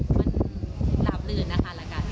มันหลับหลื่นนะคะละกันขีดไข้เร็วเนอะ